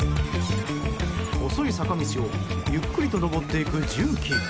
細い坂道をゆっくりと上っていく重機。